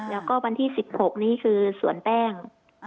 แล้วก็วันที่๑๖นี่คือสวนแป้ง